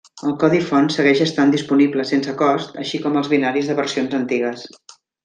El codi font segueix estant disponible sense cost així com els binaris de versions antigues.